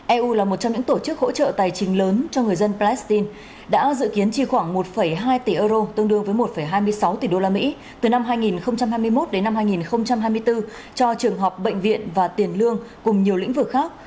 eu là một trong những tổ chức hỗ trợ tài chính lớn cho người dân palestine đã dự kiến chi khoảng một hai tỷ euro tương đương với một hai mươi sáu tỷ usd từ năm hai nghìn hai mươi một đến năm hai nghìn hai mươi bốn cho trường học bệnh viện và tiền lương cùng nhiều lĩnh vực khác